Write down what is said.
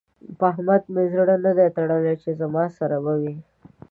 په احمد مې زړه نه دی تړلی چې زما سره به وي.